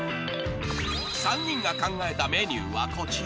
［３人が考えたメニューはこちら］